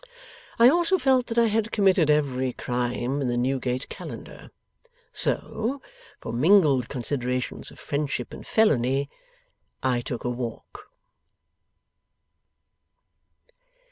I also felt that I had committed every crime in the Newgate Calendar. So, for mingled considerations of friendship and felony, I took a walk.